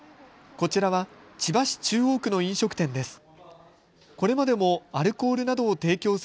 こちらは千葉市中央区の飲食店です。